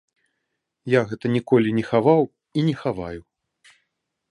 Я гэта ніколі не хаваў і не хаваю.